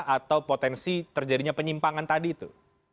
atau potensi terjadinya penyimpangan tadi itu